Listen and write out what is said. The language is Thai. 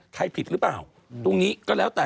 ผิดหรือเปล่าตรงนี้ก็แล้วแต่